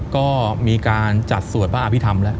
ก็มีการจัดสวดพระอภิษฐรรมแล้ว